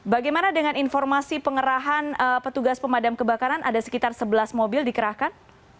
bagaimana dengan informasi pengerahan petugas pemadam kebakaran ada sekitar sebelas mobil dikerahkan